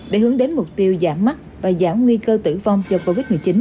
để hướng đến mục tiêu giảm mắt và giảm nguy cơ tử vong do covid một mươi chín